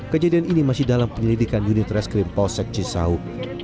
kejadian ini masih dalam penyelidikan unit reskrim pos sekci sau